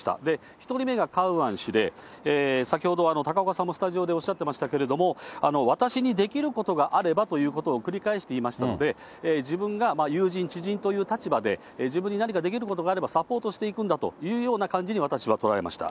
１人目がカウアン氏で、先ほど高岡さんもスタジオでおっしゃってましたけれども、私にできることがあればということを繰り返して言いましたので、自分が友人、知人という立場で、自分に何かできることがあれば、サポートしていくんだというような感じに私は捉えました。